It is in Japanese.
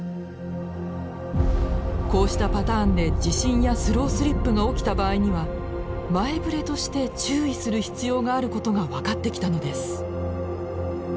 こうしたパターンで地震やスロースリップが起きた場合には前ぶれとして注意する必要があることが分かってきたのです。